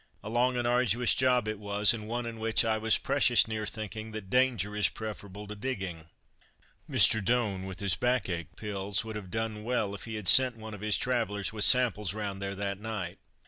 A long and arduous job it was, and one in which I was precious near thinking that danger is preferable to digging. Mr. Doan, with his back ache pills, would have done well if he had sent one of his travellers with samples round there that night.